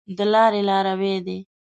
د لاري لاروی دی .